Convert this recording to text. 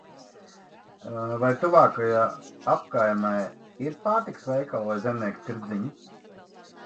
Vai tuvākajā apkaimē ir pārtikas veikali vai zemnieku tirdziņi?